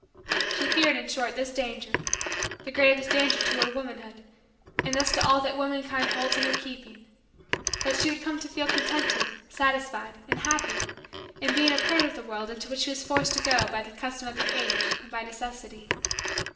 She feared in short this danger the gravest danger to her womanhood and thus to all that womankind holds in her keeping that she would come to feel contented, satisfied, and happy, in being a part of the world into which she was forced to go by the custom of the age and by necessity.